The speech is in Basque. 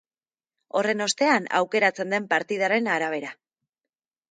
Horren ostean, aukeratzen den partidaren arabera.